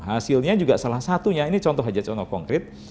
hasilnya juga salah satunya ini contoh saja contoh konkret